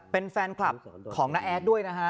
เป็นแฟนคลับของน้าแอดด้วยนะฮะ